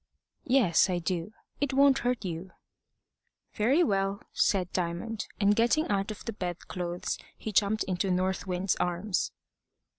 "Yes, I do. It won't hurt you." "Very well," said Diamond; and getting out of the bed clothes, he jumped into North Wind's arms.